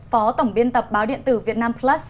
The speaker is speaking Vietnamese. phó tổng biên tập báo điện tử việt nam plus